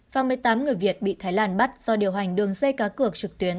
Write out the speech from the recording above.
và một mươi tám người việt bị thái lan bắt do điều hành đường dây cá cược trực tuyến